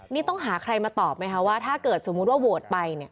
นี่ต้องหาใครมาตอบไหมคะว่าถ้าเกิดสมมุติว่าโหวตไปเนี่ย